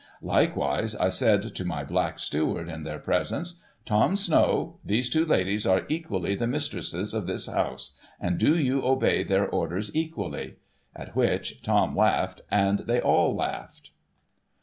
Likewise I said to my black steward in their presence, ' Tom Snow, these two ladies are equally the mistresses of this house, and do you obey their orders equally ;' at which Tom laughed, and they all laughed.